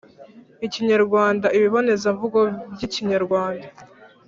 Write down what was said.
ikinyarwanda ibibonezamvugo byikinyarwanda